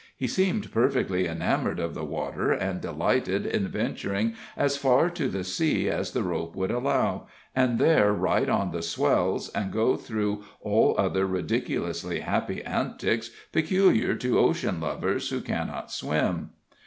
He seemed perfectly enamored of the water, and delighted in venturing as far to the sea as the rope would allow, and there ride on the swells, and go through all other ridiculously happy antics peculiar to ocean lovers who cannot swim.